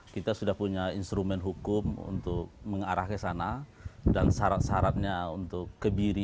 kita sudah punya instrumen hukum untuk mengarah ke sana dan syarat syaratnya untuk kebiri